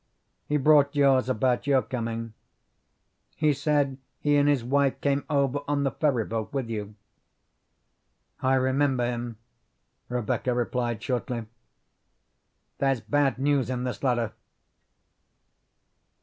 He brought yours about your coming. He said he and his wife came over on the ferry boat with you." "I remember him," Rebecca replied shortly. "There's bad news in this letter."